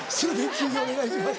次お願いします。